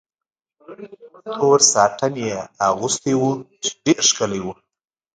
تور ساټن یې اغوستی و، چې ډېر ښکلی و.